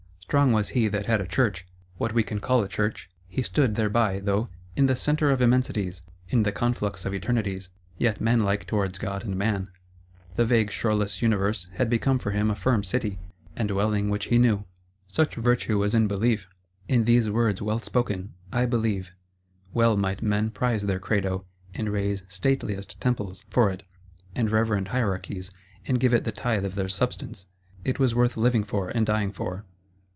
Strong was he that had a Church, what we can call a Church: he stood thereby, though "in the centre of Immensities, in the conflux of Eternities," yet manlike towards God and man; the vague shoreless Universe had become for him a firm city, and dwelling which he knew. Such virtue was in Belief; in these words, well spoken: I believe. Well might men prize their Credo, and raise stateliest Temples for it, and reverend Hierarchies, and give it the tithe of their substance; it was worth living for and dying for.